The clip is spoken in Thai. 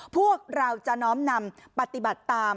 พวกเราจะน้อมนำปฏิบัติตาม